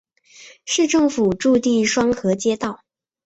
市政府驻地双河街道。